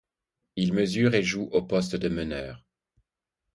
Il mesure et joue au poste de meneur.